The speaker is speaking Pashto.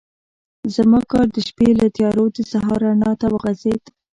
زما کار د شپې له تیارو د سهار رڼا ته وغځېد.